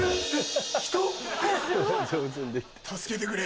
人⁉助けてくれ。